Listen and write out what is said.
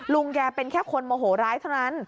ลุงแกเป็นแค่คนโมโหร้ายเท่านั้น